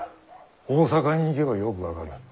大坂に行けばよく分かる。